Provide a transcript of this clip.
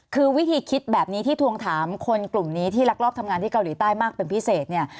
คือวิธีคิดแบบนี้ที่ทวงถามคนกลุ่มนี้ที่รักรอบทำงานที่เกาหลีใต้มากเป็นพิเศษเนี่ย